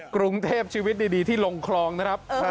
กรุงเทพชีวิตดีที่ลงคลองนะครับ